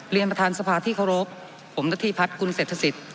เรียนประธานสภาที่เคารพผมนาธิพัฒน์คุณเศรษฐศิษย์